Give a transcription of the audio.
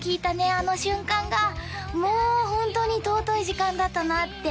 あの瞬間がもうホントに尊い時間だったなって